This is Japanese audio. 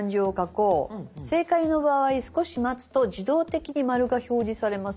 「正解の場合少し待つと自動的に○が表示されます」。